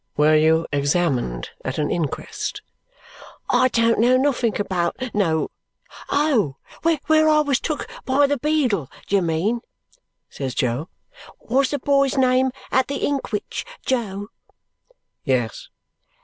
"Were you examined at an inquest?" "I don't know nothink about no where I was took by the beadle, do you mean?" says Jo. "Was the boy's name at the inkwhich Jo?" "Yes."